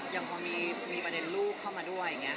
อย่างพอมีประเด็นลูกเข้ามาด้วยอย่างนี้